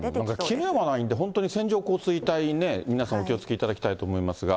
なんか切れがないんで、本当に線状降水帯ね、皆さんお気をつけいただきたいと思いますが。